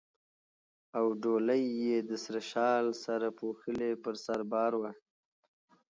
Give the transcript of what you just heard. او ډولۍ یې د سره شال سره پوښلې پر سر بار وه.